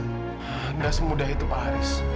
tidak semudah itu pak haris